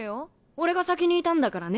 俺が先にいたんだからね。